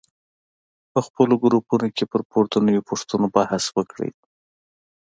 په خپلو ګروپونو کې پر پورتنیو پوښتنو بحث وکړئ.